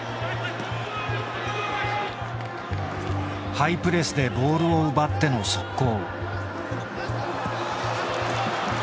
ハイプレスでボールを奪っての速攻。